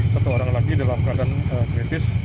satu orang lagi dalam keadaan kritis